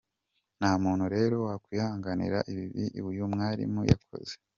Nta muntu rero wakwihanganira ibi uyu mwarimu yakoze .